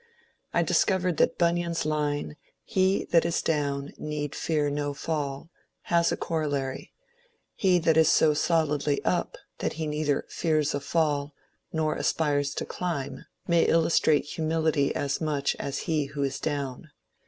I discovered that Bunyan's line, ^^He that is down need fear no fall," has a corollary : he that is so solidly up that he neither fears a fall nor aspires to climb may illustrate humility as much as he who is down.